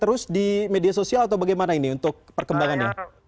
terus di media sosial atau bagaimana ini untuk perkembangannya